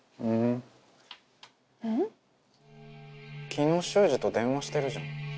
昨日秀司と電話してるじゃん。